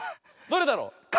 どれだろう？